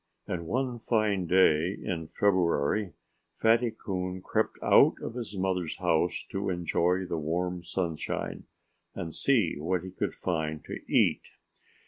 And one fine day in February Fatty Coon crept out of his mother's house to enjoy the warm sunshine and see what he could find to eat.